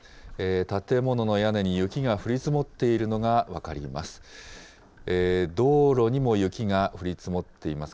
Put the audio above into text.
建物の屋根に雪が降り積もっているのが分かります。